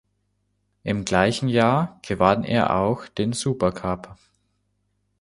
Im gleichen Jahr gewann er auch den Supercup.